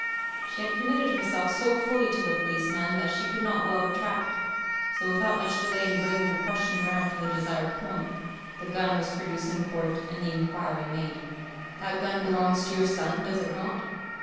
She had committed herself so fully to the policeman, that she could not well retract; so without much delay in bringing the question round to the desired point, the gun was produced in court, and the inquiry made "That gun belongs to your son, does it not?"